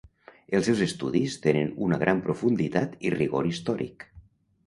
Els seus estudis tenen una gran profunditat i rigor històric.